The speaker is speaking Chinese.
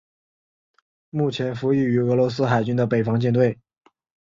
目前服役于俄罗斯海军的北方舰队。